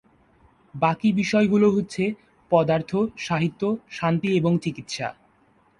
বাকি বিষয়গুলো হচ্ছে পদার্থ, সাহিত্য, শান্তি এবং চিকিৎসা।